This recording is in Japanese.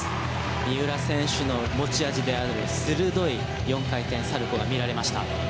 三浦選手の持ち味である鋭い４回転サルコウが見られました。